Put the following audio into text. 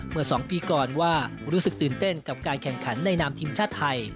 เมื่อ๒ปีก่อนว่ารู้สึกตื่นเต้นกับการแข่งขันในนามทีมชาติไทย